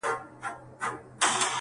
هغه مه ښوروه ژوند راڅخـه اخلي,